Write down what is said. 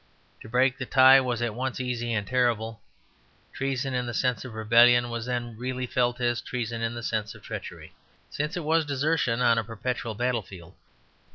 To break the tie was at once easy and terrible. Treason in the sense of rebellion was then really felt as treason in the sense of treachery, since it was desertion on a perpetual battlefield.